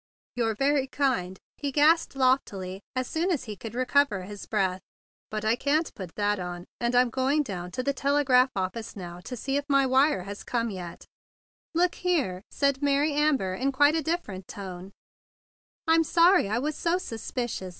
"You're very kind," he gasped loftily, as soon as he could recover his breath. "But I can't put that on, and I'm going down to the telegraph office now to see if my wire has come yet." THE BIG BLUE SOLDIER 1 25 "Look here," said Mary Amber in quite a different tone, "I'm sorry I was so suspicious.